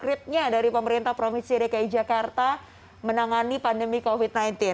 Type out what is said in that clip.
apa dari pemerintah provinsi dki jakarta menangani pandemi covid sembilan belas